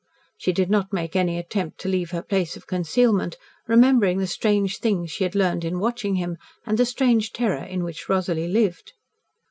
She did not make any attempt to leave her place of concealment, remembering the strange things she had learned in watching him, and the strange terror in which Rosalie lived.